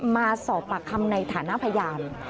มาสอบปากคำในฐานะพยาน